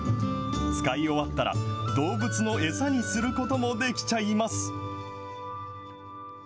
使い終わったら動物の餌にすることもできちゃいます。